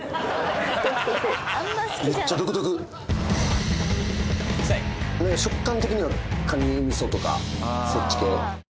めっちゃ独特なんか食感的にはカニミソとかそっち系